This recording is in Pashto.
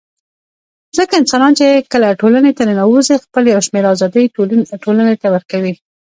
ځکه انسانان چي کله ټولني ته ننوزي خپل يو شمېر آزادۍ ټولني ته ورکوي